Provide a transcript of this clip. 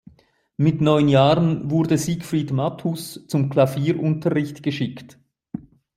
Mit neun Jahren wurde Siegfried Matthus zum Klavierunterricht geschickt.